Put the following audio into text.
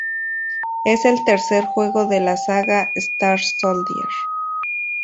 Es el tercer juego de la saga Star Soldier.